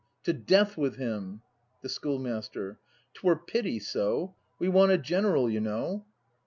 To death with him! The Schoolmaster. 'Twere pity, so! We want a general, you know!